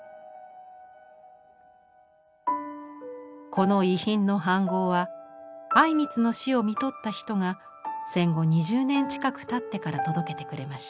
この遺品の飯ごうは靉光の死をみとった人が戦後２０年近くたってから届けてくれました。